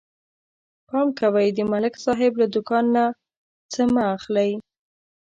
پام کوئ د ملک صاحب له دوکان نه څه مه اخلئ